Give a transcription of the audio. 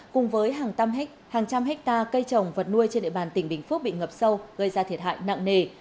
cùng với hàng trăm hectare cây trồng vật nuôi trên địa bàn tỉnh bình phước bị ngập sâu gây ra thiệt hại nặng nề